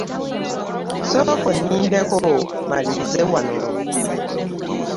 Sooka olinkeko malirize wano.